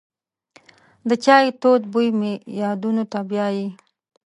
د چای تود بوی مې یادونو ته بیایي.